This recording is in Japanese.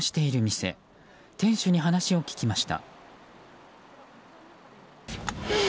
店主に話を聞きました。